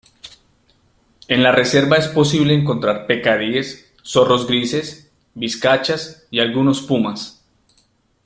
En la reserva es posible encontrar pecaríes, zorros grises, vizcachas y algunos pumas.